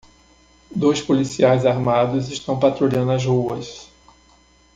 Dois policiais armados estão patrulhando as ruas.